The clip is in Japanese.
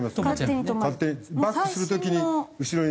バックする時に後ろに。